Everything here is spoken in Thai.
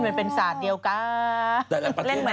มันเป็นศาสตร์เดียวกัน